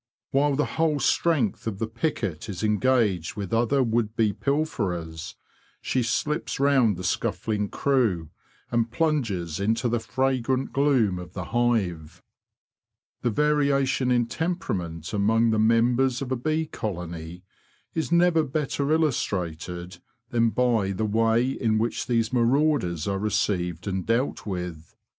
While the whole strength of the picket is engaged with other would be pilferers, she slips round the scuffling crew, and plunges into the fragrant gloom of the hive. The variation in temperament among the mem bers of a bee colony is never better illustrated than by the way in which these marauders are received and dealt with.